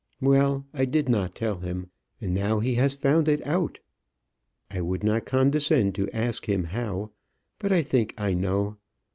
Well; I did not tell him, and now he has found it out. I would not condescend to ask him how; but I think I know.